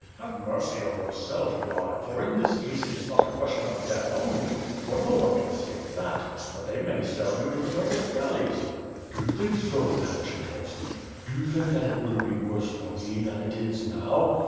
"Have mercy on yourself, Yan; for in this case it is not a question of death only, for no one can escape that, but they may sell you to the Turkish galleys." "Do you think so, Pan Kshetovski? Do you think that it will be worse for me than it is now?"